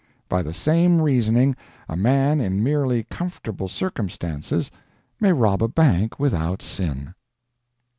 By the same reasoning a man in merely comfortable circumstances may rob a bank without sin.